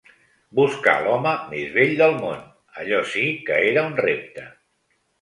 Buscar l'home més vell del món, allò sí que era un repte.